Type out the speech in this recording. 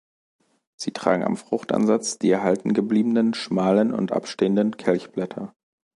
Sie tragen am Fruchtansatz die erhalten gebliebenen schmalen und abstehenden Kelchblätter.